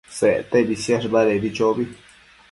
Sectebi siash badedi chobi